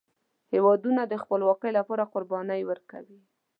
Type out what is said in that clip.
هیوادونه د خپلواکۍ لپاره قربانۍ ورکوي.